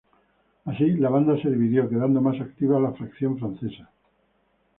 Así la banda se dividió, quedando más activa la fracción francesa.